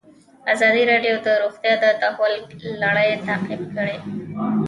ازادي راډیو د روغتیا د تحول لړۍ تعقیب کړې.